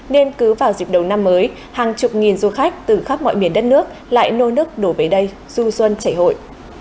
nên cứ vào dịp đầu năm mới hàng chục nghìn du khách từ khắp mọi miền đất nước lại nôi nước đổ về đây du xuân chảy hội